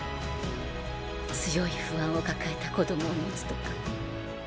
強い不安を抱えた子供を持つとか。